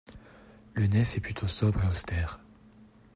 La nef est plutôt sobre et austère.